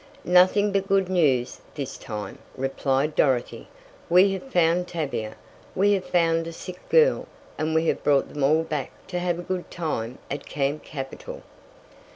"Nothing but good news this time," replied Dorothy. "We have found Tavia, we have found a sick girl, and we have brought them all back to have a good time at Camp Capital."